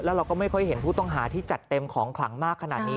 เราก็ไม่ค่อยเห็นผู้ต้องหาที่จัดเต็มของขลังมากขนาดนี้